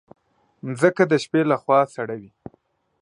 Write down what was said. مځکه د شپې له خوا سړه وي.